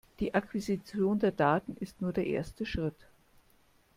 Die Akquisition der Daten ist nur der erste Schritt.